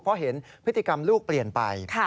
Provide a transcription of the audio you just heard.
เพราะเห็นพฤติกรรมลูกเปลี่ยนไป